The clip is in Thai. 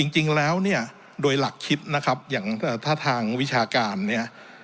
จริงแล้วเนี่ยโดยหลักคิดนะครับอย่างถ้าทางวิชาการเนี่ย